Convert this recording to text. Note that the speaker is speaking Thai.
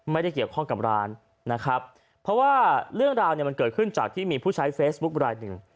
ไม่ได้เกี่ยวข้องกับร้านนะครับเพราะว่าเรื่องราวเนี่ยมันเกิดขึ้นจากที่มีผู้ใช้เฟซบุ๊คลายหนึ่ง